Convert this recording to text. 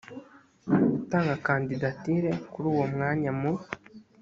gutanga kandidatire kuri uwo mwanya mu